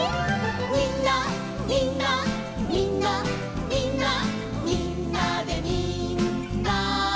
「みんなみんなみんなみんなみんなでみんな」